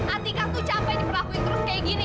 atika tuh capek diperlakuin terus kayak gini